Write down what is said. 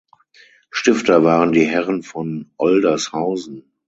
Stifter waren die Herren von Oldershausen.